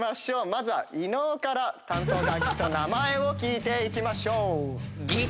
まずは伊野尾から担当楽器と名前を聞いていきましょう。